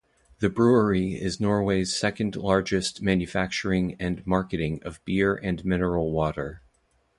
The brewery is Norway's second largest manufacturing and marketing of beer and mineral water.